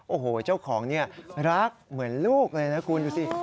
โอ้โหเจ้าของนี่รักเหมือนลูกเลยนะคุณดูสิ